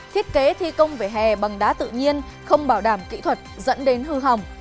thiết kế thi công vỉa hè bằng đá tự nhiên không bảo đảm kỹ thuật dẫn đến hư hỏng